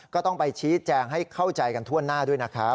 ก็ต้องไปชี้แจงให้เข้าใจกันทั่วหน้าด้วยนะครับ